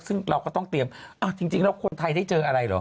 ซึ่งเราก็ต้องเตรียมอ้าวจริงแล้วคนไทยได้เจออะไรเหรอ